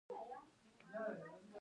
د بدخشان په واخان کې د سرو زرو نښې شته.